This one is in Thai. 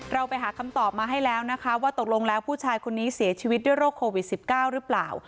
เราไปหาคำตอบมาให้แล้วนะคะว่าตกลงแล้วผู้ชายคนนี้เสียชีวิตด้วยโรคโควิด๑๙หรือเปล่า